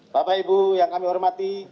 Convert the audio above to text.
bapak ibu yang kami hormati